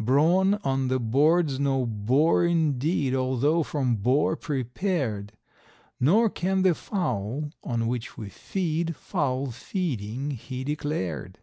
Brawn on the board's no bore indeed although from boar prepared; Nor can the fowl, on which we feed, foul feeding he declared.